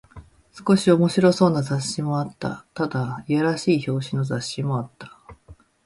少し面白そうな雑誌もあった。ただ、いやらしい表紙の雑誌もあった。